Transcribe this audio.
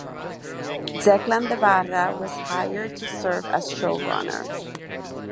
Declan de Barra was hired to serve as showrunner.